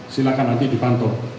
silakan nanti dipantau